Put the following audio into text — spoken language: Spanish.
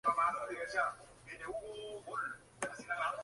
Esta obra despertó una admiración entusiasta.